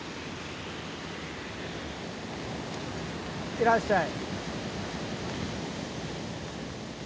いらっしゃい。